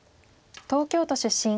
東京都出身。